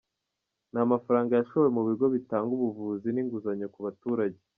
Ni amafaranga yashowe mu bigo bitanga ubuvuzi n’inguzanyo ku baturage.